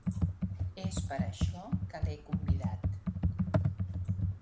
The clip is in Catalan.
És per això que l'he convidat.